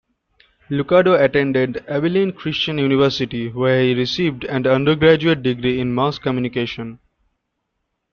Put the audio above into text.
Lucado attended Abilene Christian University where he received an undergraduate degree in Mass Communication.